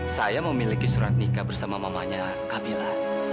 saya memiliki surat nikah bersama mamanya camilla